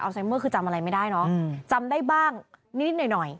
ไซเมอร์คือจำอะไรไม่ได้เนอะจำได้บ้างนิดหน่อยหน่อย